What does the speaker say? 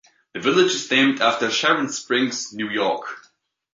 The village is named after Sharon Springs, New York.